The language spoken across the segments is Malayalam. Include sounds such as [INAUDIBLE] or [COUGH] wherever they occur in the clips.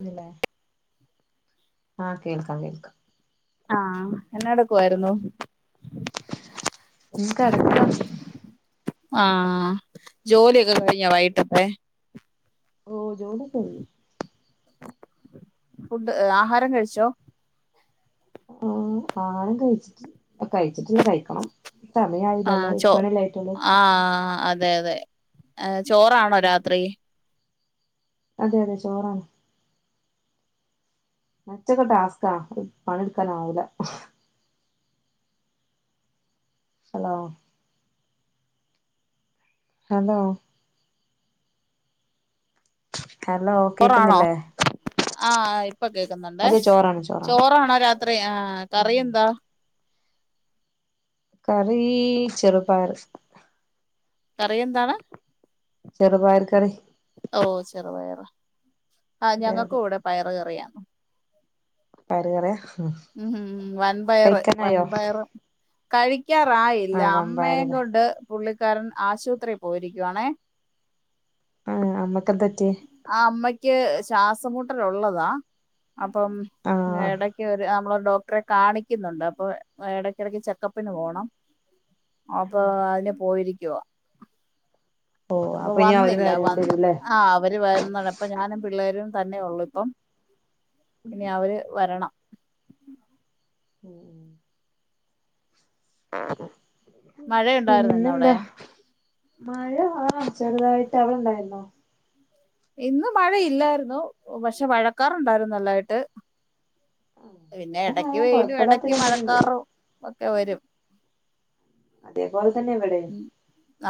ന്നില്ലേ ആ കേൾക്കാം കേൾക്കാം ആഹ് എന്നാടുക്കുവാരുന്നു ഉം കെടക്കാ ആഹ് ജോലിയൊക്കെ കഴിഞ്ഞോ വൈട്ടത്തെ ഓഹ് ജോലിയൊക്കഴിഞ്ഞു ഫുഡ് ആഹാരം കഴിച്ചോ ആഹ് ആളും കഴിച്ചിട്ട് കഴിച്ചിട്ടില്ല കഴിക്കണം സമയായില്ലല്ലോ എട്ടുമാണിയല്ലേ ആയിട്ടുള്ളൂ എട്ടര തെ അതെ ആഹ് ചോറാണോ രാത്രി അതെ അതെ ചോറാണ് മറ്റത് ടാസ്ക്കാ പണിയെടുക്കാനാവൂല ഹലോ ഹലോ ഹലോ ചോറാണോ കേക്കുന്നില്ലേ ആഹ് ഇപ്പൊ കേക്കുന്നുണ്ടേ അതെ ചോറാണ് ചോറാണ് ചോറാണോ രാത്രി ആഹ് ഉം ഉം കറിയെന്താ കറി ചെറുപയർ കറിയെന്താണ് ചെറുപയർ കറി ഓഹ് ചെറുപയറാ ആ അതെ അതെ ഞങ്ങൾക്കും ഇവിടെ പയറ് കറിയാ പയറു കറിയാ ഉം വൻപയറ് കഴിക്കാനായോ വൻപയറും കഴി ക്കാറായില്ല ആഹ് അമ്മേം വമ്പായറില്ലേ കൊണ്ട് പുള്ളിക്കാരൻ ആശുപത്രിയിൽ പോയിരിക്കുവാണേ ആഹ് അമ്മ എന്ത് പറ്റി യ്ക്ക് ശ്വാസംമുട്ടല് ഉള്ളതാ അപ്പം ആഹ് ഇടക്ക് ഒരു നമ്മളൊരു ഡോക്ടറെ കാണിക്കുന്നുണ്ട് അപ്പൊ ഇടക്കിടക്ക് ചെക്കപ്പിന് പോണം അപ്പൊ അതിന് പോയിരി ക്കുവാ ഓഹ് അപ്പൊ ഇനി അവര് വരേണ്ടിവരുല്ലേ ആഹ് അവര് വരുന്നാണ് ഇപ്പൊ ഞാനും പിള്ളേരും തന്നെ ഉള്ളു ഇപ്പം ഇനി അവര് വരണം ഉം ഉം മഴയുണ്ടായിരുന്നോ ഇന്നവിടെ പിന്നെന്താ? മഴ ആ ചെറുതായിട്ട് അവിടെണ്ടായിുന്നോ? ഇന്ന് മഴയില്ലായിരുന്നു പക്ഷെ മഴക്കാറണ്ടായിരുന്നു നല്ലായിട്ട് പിന്നെ ഇവിടെ മഴ എടക്ക് വെയിലും കൊഴപ്പല്ലാത്ത എടക്ക് രീതിയിലുണ്ട് മഴക്കാറും ഒക്കെ വരും അതേപോലെ- തന്നെ ഇവിടെയും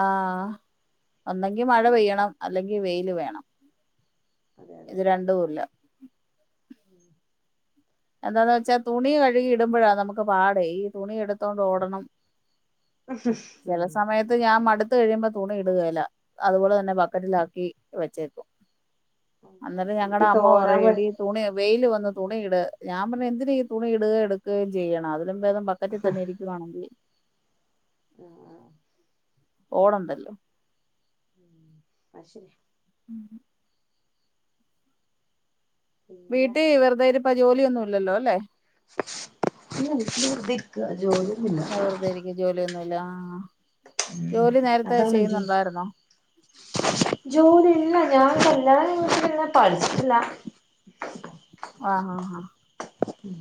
ആഹ് ഒന്നെങ്കി മഴ പെയ്യണം അല്ലെങ്കിൽ വെയില് വേണം അതെ അതെ ഇത് രണ്ടുമില്ല എന്താന്ന് വെച്ചാ തുണി കഴുകി ഇടുമ്പോഴാ നമുക്ക് പാടെ ഈ തുണി എടുത്തോണ്ട് ഓടണം ചില സമയത്ത് ഞാൻ മടു ത്ത് കഴിയുമ്പോ തുണി ഇടുകല്ല അതുപോലെ തന്നെ ബക്കറ്റിലാക്കി വെച്ചേക്കും അന്നരം എനിക്ക് ഞങ്ങളുടെ അമ്മ തോരാൻ പറയും പ എടി തുണി വെയില് വാ തുണിയിട് ഞാൻ പറഞ്ഞെ എന്തിന ഈ തുണി ഇടുക എടുക്കുകയും ചെയ്യണം അത് ഇപ്പോഴും ബക്കറ്റിൽ തന്നെ ഇരിക്കുകവാണെങ്കി ഓടണ്ടല്ലോ അ ശരി ഉം പിന്നെ വീട്ടി വെറുതെരു ജോലിയൊന്നുല്ലല്ലോ അല്ലെ ഇല്ല വീട്ടില് വെറുതെ ക്ക ജോ ന വെറുതെരിക്കു ജോലിയൊന്നുല്ല മ് മ് അതാണ് ജോ ചെയ്യുന്നുണ്ടായിരുന്നോ ജോലിന്ന ഞാൻ കല്ലണം പിന്നെ പഠിച്ചില്ല ആഹ് ആഹ് ആഹ് ഉം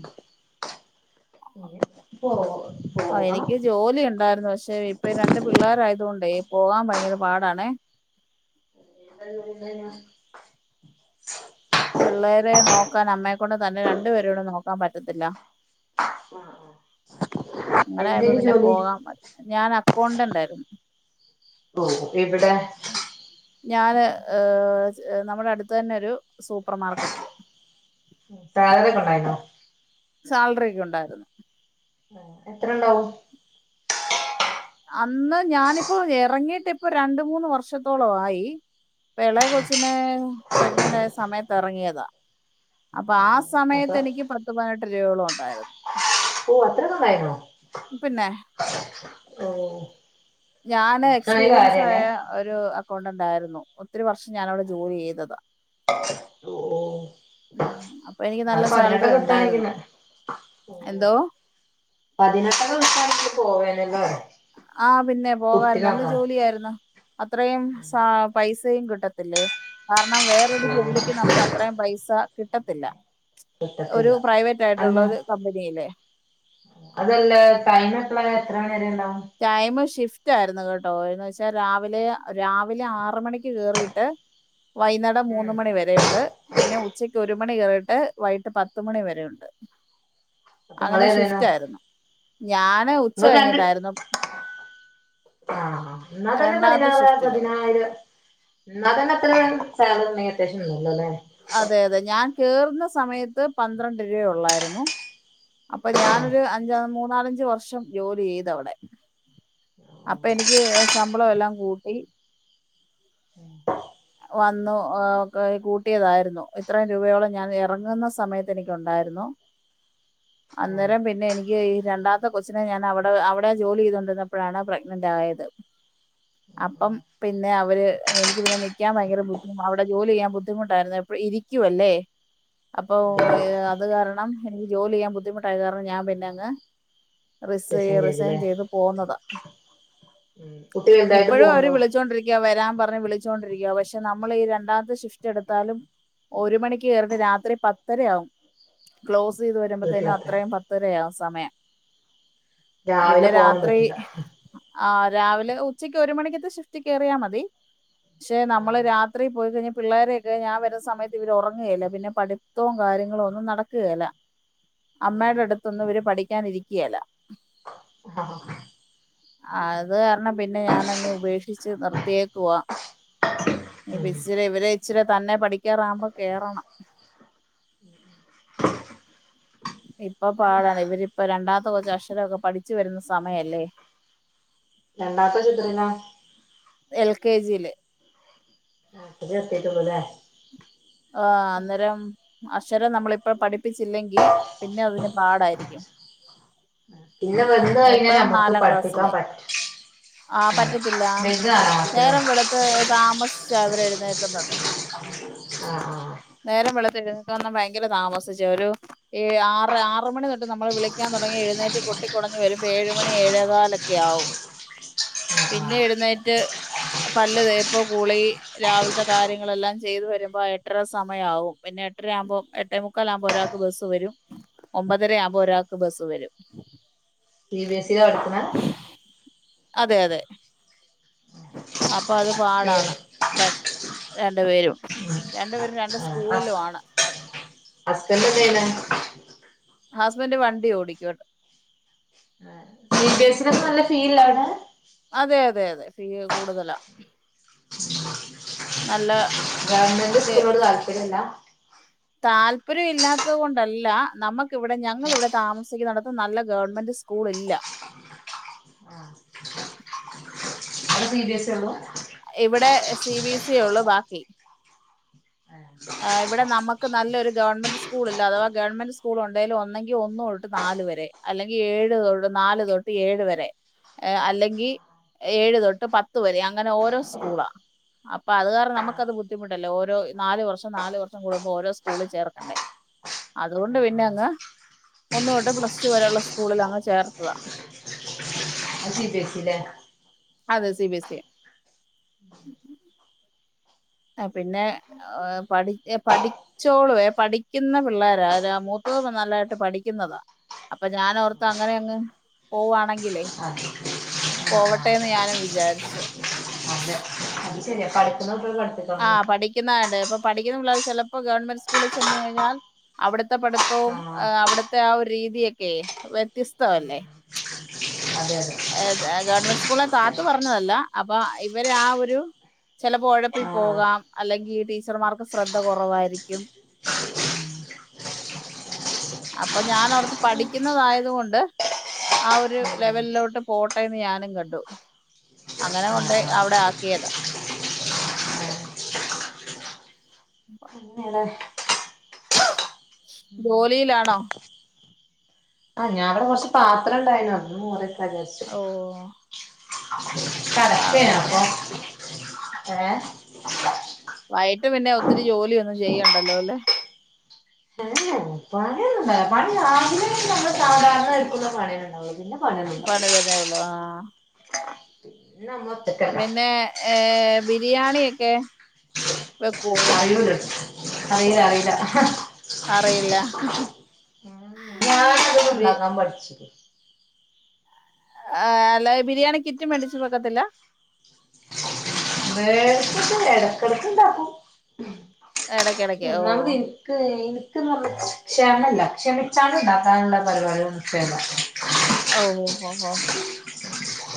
ഓ ആ എനിക്ക് ജോലി ഒണ്ടാരുന്നു പക്ഷെ ഇപ്പൊ ഈ രണ്ട് പിള്ളോരായതൊണ്ടേ പോകാൻ ഭയങ്കര പാടണേ പിള്ളേരെ നോക്കാൻ അമ്മെക്കൊണ്ട് തന്നെ രണ്ടുപേരെടെ നോക്കാൻ പറ്റത്തില്ല ആ ആ അങ്ങനെയപ്പോ എന്തേലും പിന്നെ ജോലി പോകാ മതി ഞാൻ അക്കൗണ്ടന്റ് ആരുന്നു ഓ എവിടെ ഏഹ് ച് നമ്മുടെ അടുത്ത് തന്നെയൊരു സൂപ്പർ മാർക്കറ്റില് [UNINTELLIGIBLE] സാലറി ഒക്കെ ഉണ്ടായിരുന്നു എത്ര ഇണ്ടാവും അന്ന് ഞാനിപ്പോ എറങ്ങിട്ട് ഇപ്പൊ രണ്ട് മൂന്ന് വർഷത്തോള ആയി ഇളയ കൊച്ചിനെ പ്രഗ്നന്റ് ആയ സമയത്ത് ഇറങ്ങിയതാ അ പ്പൊ ആ അതെ സമയത്ത് എനിക്ക് അപ്പൊ പത്ത് പതിനെ വല്യോളുംഉണ്ടായിരുന്നു ഓ അത്ര നന്നായിരുന്നോ പിന്നെ ഓ ഞാന് എടുക്കണ എക്സ്പീരിയൻസ് കാര്യല്ലേ ആയ ഒരു അക്കൗണ്ടന്റ് ആയിരുന്നു ഒത്തിരി വർഷം ഞാനവിടെ ജോലി ചെയ്തതാ ലോ അപ്പൊ എനിക്ക് നല്ല ന്നാലും സാലറി പതിനെട്ടൊക്കെ കിട്ടാണെങ്കി ഉണ്ടായിരുന്നു നല്ല പോവും എന്തോ പതിനെട്ടൊക്കെ കിട്ടാണങ്കി ആഹ് പിന്നെ പോകായിരുന്നു നല്ല കുട്ടിനോക്കാ ജോലിയായിരുന്നു അത്രയും സാ പൈസയും കി ട്ടത്തില്ലേ കാരണം വേറൊരു ഓ ജോലിക്ക് നമുക്ക് അത്രേം പൈസ കിട്ടത്തില്ല ഒരു കിട്ടത്തില്ല പ്രൈവറ്റ് അല്ല ആയിട്ടുള്ള ഒരു കമ്പനിയിലെ അതല്ല ടൈം എപ്പള എത്ര വരെ ഉണ്ടാവും ടൈമ് ഷിഫ്റ്റ് ആയിരുന്നു കേ ട്ടോ എന്ന് വെച്ചാ രാവിലെ രാവിലെ ആറ് മണിക്ക് കേറിട്ട് വൈന്നേടം ഉം മൂന്ന് മണി വരെയുണ്ട് പിന്നെ ഉച്ചക്ക് ഒരു മണി കേട്ട് വൈകിട്ട് പത്തുമണി വരെയുണ്ട് അപ്പൊ നിങ്ങള് അങ്ങനെ ഏതേനു ഷിഫ്റ്റ് ആയിരുന്നു ഞാന് ഉച്ച കഴിഞ്ഞിട്ടായിരുന്നു ആ ആ എന്നാ തന്നെ രണ്ടാമത്തെ ഷിഫ്റ്റില് പതിനാറ്‌പതിനായിരം ന്നാ തന്നെ [UNINTELLIGIBLE] സാലറി [UNINTELLIGIBLE] [UNINTELLIGIBLE] ന്നല്ലല്ലേ അതെ അതെ ഞാൻ കേറുന്ന സമയ ത്ത് പന്ത്രണ്ട് രൂപയൊള്ളായിരുന്നു അപ്പൊ ഞാനൊരു അഞ്ചാ മൂന്നാല ഞ്ച് വർഷം ജോലി ചെയ്ത് അവടെ അപ്പൊ എനിക്ക് ശമ്പളം എല്ലാം കൂട്ടി വന്നു കൂട്ടിയതായിരുന്നു ഇത്രയും രൂപയോളം ഞാൻ ഇറങ്ങുന്ന സമയത്ത് എനിക്കുണ്ടായിരുന്നു ഏഹ് അന്നേരം പിന്നെ എനിക്ക് ഈ രണ്ടാമത്തെ കൊച്ചിനെ ഞാൻ അവിടെ അവിടെ ജോലി ചെയ്തണ്ടിരന്നപ്പോഴാണ് പ്രഗ്നന്റ് ആയത് അപ്പം പിന്നെ അവര് എനിക്ക് പിന്നെ നി ക്കാൻ ഭയങ്കര ബുദ്ധി അവിടെ ജോലി ചെയ്യാൻ ബുദ്ധിമുട്ടായിരുന്നു എപ്പഴും ഇരിക്കുവല്ലേ അപ്പൊ അതെ അത് കാരണം ണം എനിക്ക് ജോലി ചെയ്യാൻ ബുദ്ധിമുട്ടായത് കാരണം ഞാൻ പിന്നങ് റിസെ ഡിസിഷൻ റിസൈൻ ചെയ്തല്ലേ ചെയ്ത് പോകുന്നതാ ഉം കുട്ടി വലുതായിട്ട് ഇപ്പഴും അവര് പോവ്ണ്ടോ വിളിച്ചോണ്ടിരിക്കാ വരാൻ പറഞ്ഞ് വിളിച്ചോ യാ പക്ഷെ നമ്മള് ഈ രണ്ടാമത്തെ ഷിഫ്റ്റ് എടുത്താലും ഒരു മണിക്ക് കേറീട്ട് രാത്രി പത്തരയാവും ക്ലോസ് ചെയ്ത് വരുമ്പത്തേനും വീട്ടിലെത്താൻ അത്രയും പത്തരയാവും സമയം രാവിലെ പിന്നെ പോകനും രാത്രി പറ്റൂല്ല ആ രാവിലെ ഉച്ചയ്ക്ക് ഒരു മണിക്കത്തെ ഷിഫ്റ്റി കേറിയാ മതി പക്ഷെ നമ്മള് ആഹ് രാത്രി പോയി കഴിഞ്ഞാ പിള്ളോരെയൊക്കെ ഞാൻ വരുന്ന സമയത്തിവര് ഉറങ്ങുകേല പിന്നെ പഠിത്തവും കാര്യങ്ങളോന്നും നടക്കുകേല അമ്മേടെ അടുത്തൊന്നും ഇവര് പഠി ക്കാനിരിക്കേലാ ആഹ് അത് കാരണം പിന്നെ ഞാനങ്ങ് ഉപേക്ഷിച്ച് നിർത്തിയേക്കുവാ ഇനിപ്പ ഉം ഇച്ചിരി ഇവരെ ഇച്ചരെ തന്നെ പഠിക്കാറാകുമ്പോ കേറണം ഇപ്പൊ പാടാണ് ഇവര് ഇപ്പൊ രണ്ടാ ഓജ് അക്ഷരോക്കെ പഠിച്ചു വരുന്ന സമയല്ലേ രണ്ടാത്ത ചിത്രനാ? L K ജിയില്. ആത്തിലെത്തീട്ടൊള്ളൂലെ ആഹ് അന്നേരം അക്ഷരം നമ്മളിപ്പോ പഠി പ്പിച്ചില്ലെങ്കി പിന്നെ അതിന് പാടായിരിക്കും. പിന്നെ വന്ന് കഴിഞ്ഞാൽ മൂത്തവൻ നമുക്ക് നാലാം പഠിപ്പിക്കാൻ ക്ലാസില്. പറ്റും ആ ആഹ് പറ്റത്തില്ല വലുത് നാലാം ക്ലാസ്സിലോ നേരം വെളുത്ത് താമസ്അ അവര് എഴുന്നേക്കുന്നത്. ആ ആ വളെ [UNINTELLIGIBLE] ഭയങ്കര താമസിച്ച് ഒരു ഏ ആറ് ആറ് മണി തൊട്ട് നമ്മള് വിളിക്കാൻ തുടങ്ങി എഴുന്നേറ്റ് കൊട്ടിക്കൊടഞ് വരുമ്പോ ഏയ് മണി ഏഴേ കാലൊക്കെ ആവും. ആഹ് ആഹ് പിന്നെ ആഹ് എഴുന്നേറ്റ് പല്ല് തേപ്പും കുളി രാവിൽത്തെ കാര്യങ്ങളെല്ലാ ചെയ്തു വരു പ എട്ടര സമയാവും. പിന്നെ എട്ടരയാഉമ്പോ എട്ടേ മുക്കാലാഉമ്പോ ഒരാക്ക് ബസ്സ് വരും ഒമ്പതര ആവുമ്പോ ഒരാക്ക് ബസ് വരും സീ ബി എസിലാ പടിക്ണേ? അതെ അതെ ആ പ്പൊ അത് പാടാണ് ടെൻ രണ്ട് പേരും ആ ഹസ്ബെന്റെന്തയ്യ്ണേ? ഹസ്ബൻഡ് വണ്ടി ഓടിക്കുവ - ബസിന നല്ല ഫീൽ ആണ് അതെ അ അതെ അതെ ഫീ കൂടുതലാ നല്ല ഗവൺമെന്റ് സ്കൂളോട് താല്പര്യില്ല ആ താല്പര്യം ഇല്ലാത്തത് കൊണ്ടല്ല നമുക്കിവിടെ ഞങ്ങളിവിടെ താമസിക്കു ന്നടുത്തു നല്ല ഗവൺമെന്റ് സ്കൂൾ ഇല്ല അവിടെ സി ബി എസ് സി ഉള്ളു ഇവിടെ സി ബി എസ് സി ഉള്ളു ബാക്കി ആ ഇവിടെ നമുക്ക് നല്ലൊരു ഗവൺമെന്റ് സ്കൂൾ ഇല്ല അഥവാ ഗവൺമെന്റ് സ്കൂൾ ഒണ്ടെലും ഒന്നങ്കി ഒന്ന് തൊട്ട് നാല് വരെ അല്ലെങ്കി ഏഴു തൊട്ട് നാല് തൊട്ട് ഏഴു വരെ അല്ലെങ്കിൽ ഏഴ് തൊട്ട് പത്ത് വരെ അങ്ങനെ ഓരോ സ്കൂളാ അപ്പൊ അത് കാരണം ആഹ് നമുക്കത് ബുദ്ധിമുട്ടല്ല ഓരോ നാല് വർഷം നാല് വർഷം കൂടുമ്പോ ഓരോ സ്കൂളിൽ ചേർക്കണ്ടേ അതുകൊണ്ട് ആഹ് പിന്നെ ആഹ് അങ്ങ് ഒന്ന് തൊട്ട് പ്ലസ് ടു വരെയുള്ള സ്കൂളിൽ അങ്ങ് ചേർത്തത സി ബി എസി അല്ലെ അതെ സി ബി എസി പിന്നെ പഠി പഠിച്ചോളുവേ പഠിക്കുന്ന പിള്ളേരാ അ മൂത്തത് നല്ലായിട്ട് പഠിക്കുന്നതാ അപ്പൊ ഞാനോർത്തു അങ്ങനെ അങ്ങ് പോവാണെങ്കി അതെ പോവട്ടേന്ന് ഞാനും വിചാരിച്ച് അതെ അത് ശരിയാ പഠിക്കുന്ന കുട്ടികൾ പഠിപ്പിക്കണല്ലോ ആഹ് പഠിക്കുന്നാണ്ട് ഇപ്പൊ പഠിക്കുന്ന പിളളാര് ചെലപ്പോ ഗവൺമെന്റ് സ്കൂളി ചെന്ന് കഴിഞ്ഞാൽ അവിടു ഇ പടത്തവും ആഹ് അവിടുത്തെ ആ ഒരു രീതിയൊക്കെ വ്യത്യസ്തല്ലേ [UNINTELLIGIBLE] അതെ ഏത് ഗവൺമെന്റ് സ്കൂള താത്തു പറഞ്ഞതല്ല അപ്പൊ ഇവര് ആ ഒരു ചെലപ്പോ ഒഴപ്പി ആഹ് പോകാം അല്ലെങ്കി ടീച്ചർമാർക്ക് ശ്രദ്ധ കുറവായിരിക്കും അപ്പൊ ഞാൻ ഓർത്ത് പഠിക്കുന്നതായത്കൊണ്ട് ആ ഒരു ഉം ലെവലിലോട്ട് പോട്ടെന്ന് ഞാനും കണ്ടു അങ്ങനെ ആഹ് കൊണ്ടോയി ആഹ് അവിടെ ആക്കിയതാ [INAUDIBLE] അങ്ങനെയാണ് ജോലിയിലാണോ ആഹ് ഞാൻ ഇവിടെ കൊറച്ച് പാത്രം ഉണ്ടായിനു അതൊന്നു മൂടി ഓ ആ കറുത്തെ പിന്നെ പ്പൊ ഏഹ് വയട്ട് പിന്നെ ഒത്തിരി ജോലിയൊന്നും ചെയ്യണ്ടല്ലോ അല്ലെ ഏഹ് പണിയൊന്നും പണി രാവില നമ്മള് സാധാരണ വെക്കുന്ന പണിയേ ഇണ്ടാവുള്ളൂ പിന്ന പണിതന്നെ ഒളളു ആഹ് പിന്നെ നമ്മൾ ഒറ്റക്കല്ലേ പിന്നെ ഏഹ് ബിരിയാണിയൊക്കെ വെക്കുവോ അറിയൂല അറിയില്ല അറിയില്ല അറിയില്ല ഞാൻ അത് ബി ഉണ്ടാക്കാൻ പഠിച്ചിക്ക്‌ ആ അല്ല ബിരിയാണി കിറ്റ് മേടിച്ചു വെയ്ക്കാതില്ല. നേരത്തയൊക്കെയെ ഇടയ്ക്കയൊക്കെ ഉണ്ടാക്കും. ഇടക്കിടക്ക് ഓ ഒന്നാമത് എനിക്ക് എനിക്കങ്ങ് ക്ഷമയല്ല ശ്രെമിച്ചാൽ ഉണ്ടാക്കാനുള്ള പരിപാടികളൊക്കെ ഉള്ളു. ഓ ഓ ഓ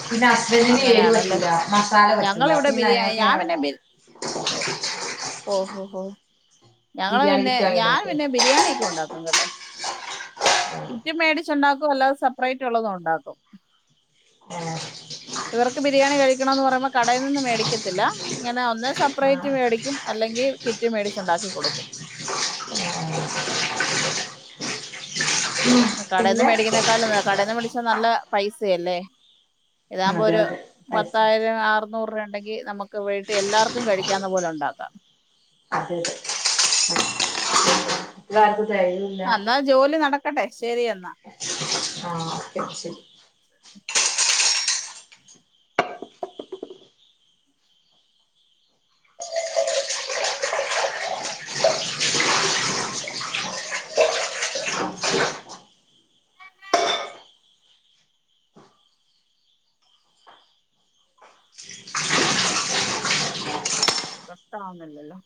പിന്നെ ഹസ്ബൻഡിന് എരു അങ്ങനെയാണല്ലേ പറ്റൂല മസാല പറ്റൂല ഞങ്ങളിവിടെ പിന്നെ ബിരിയാണി ഞാൻ പിന്നെ അതിനൊക്കെയാണല്ലോ ബി ഓ ഓഹോ ഹോ ഞങ്ങൾ ബിരിയാണി പിന്നെ കിറ്റ് വാങ്ങി ഞാൻ ഉണ്ടാക്കും പിന്നെ ബിരിയാണി ഒക്കെ ഉണ്ടാക്കും കേട്ടോ. കിറ്റ് മേടിച്ചുണ്ടാക്കും അല്ലാതെ സർപ്പറേറ്റ് ഉള്ളതും ഉണ്ടാക്കും. ഏഹ് ഇവർക്ക് ബിരിയാണി കഴിക്കണം എന്ന് പറയുമ്പോൾ. കടയിൽ നിന്ന് മേടി ക്കത്തില്ല ഇങ്ങനെ ഒന്നേ സർപ്പറേറ്റ് ആഹ് മേടിക്കും അല്ലെങ്കിൽ കിറ്റ് മേടിച്ച് ഉണ്ടാക്കി കൊടുക്കും. ഏഹ് [UNINTELLIGIBLE] കടയിന്ന് പിന്നെ മേടിക്കുന്നേക്കാളും കടയിന്ന് മേടിച്ചാ നല്ല പൈസയല്ലേ. ഇതാകുമ്പോ അതെ ഒരു അതെ പൈസ പത്തായിരം അറുനൂറിന് അടു ഉണ്ടെങ്കിൽ നമു ക്ക് വീട്ടിൽ എല്ലാവർക്കും കഴിക്കാവുന്ന പോലെ ഉണ്ടാക്കാം. അതെതെ [UNINTELLIGIBLE] അന്നാ ജോലി നടക്കട്ടെ. ശരി അന്നാ ആ ശരി ശരി വ്യക്തവാകുന്നില്ലല്ലോ